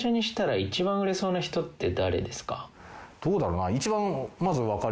どうだろうな。